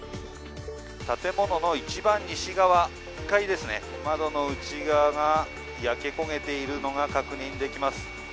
建物の一番西側、１階ですね、窓の内側が焼け焦げているのが確認できます。